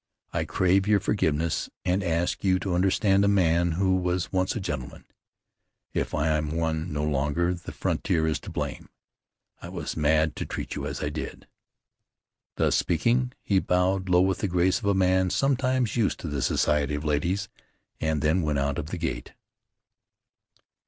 I crave your forgiveness, and ask you to understand a man who was once a gentleman. If I am one no longer, the frontier is to blame. I was mad to treat you as I did." Thus speaking, he bowed low with the grace of a man sometimes used to the society of ladies, and then went out of the gate.